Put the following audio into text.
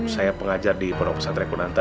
saya pengajar di pondok pesantren kunanta